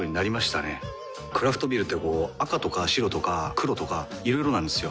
クラフトビールってこう赤とか白とか黒とかいろいろなんですよ。